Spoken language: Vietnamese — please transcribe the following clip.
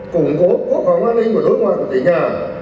củng cố cố gắng an ninh của đối ngoại của tỉnh nhà